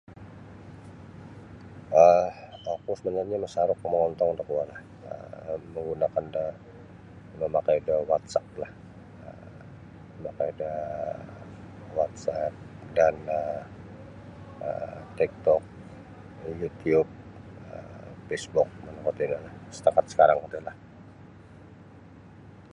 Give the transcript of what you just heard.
um aku sebenarnya masarap mongontong da kuo lah, um menggunakan da, mamakai da WhatsApp lah um memakai da Whatsapp dan um um TikTok, um YouTube um Facebook makapira setakat sekarang tu lah.